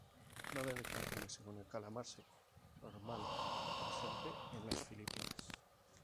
No debe confundirse con el calamar seco normal presente en las Filipinas.